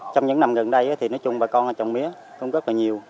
trong những năm gần đây thì nói chung bà con trồng mía cũng rất là nhiều